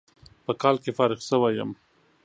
په کال کې فارغ شوى يم.